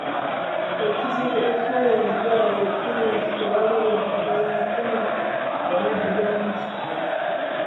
Ekizibu ekyali mu ddwaliro kiri nti tewaaliyo ddagala ate ng’abalwadde bangi.